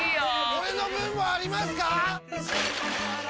俺の分もありますか！？